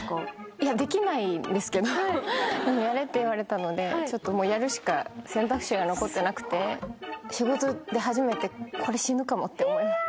いやできないんですけどでもやれって言われたのでちょっともうやるしか選択肢が残ってなくて。って思いました。